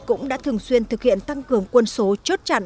cũng đã thường xuyên thực hiện tăng cường quân số chốt chặn